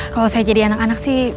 kalau saya jadi anak anak sih